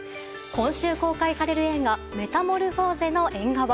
今週公開される映画「メタモルフォーゼの縁側」。